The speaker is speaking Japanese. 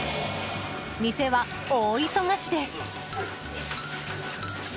店は大忙しです。